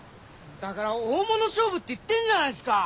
だから大物勝負って言ってんじゃないすか！